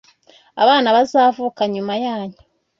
Abana bazavuka nyuma yanyu